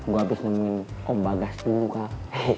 gue abis nungguin om bagas dulu kal